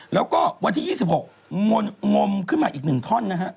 แล้วก็วันที่๒๖งมขึ้นมาอีก๑ท่อนนะฮะ